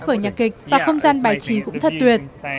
vở nhạc kịch và không gian bài trí cũng thật tuyệt